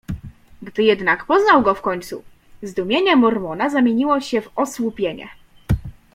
"Gdy jednak poznał go w końcu, zdumienie Mormona zamieniło się w osłupienie."